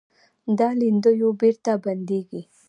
دا لیندیو بېرته بندېږي.